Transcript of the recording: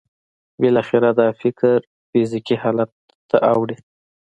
بالاخره دا فکر فزیکي حالت ته اوړي